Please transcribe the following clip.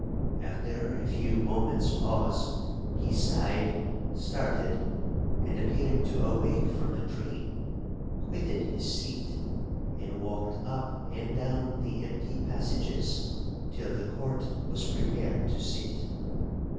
After a few moment's pause, he sighed, started, and appearing to awake from a dream, quitted his seat, and walked up and down the empty passages till the court was prepared to sit.